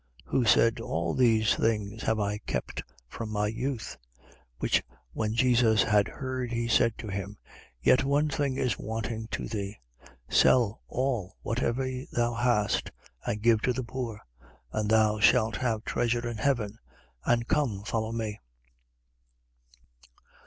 18:21. Who said: All these things have I kept from my youth. 18:22. Which when Jesus had heard, he said to him: Yet one thing is wanting to thee. Sell all whatever thou hast and give to the poor: and thou shalt have treasure in heaven. And come, follow me.